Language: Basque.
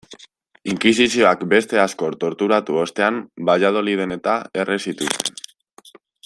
Inkisizioak beste asko torturatu ostean Valladoliden-eta erre zituzten.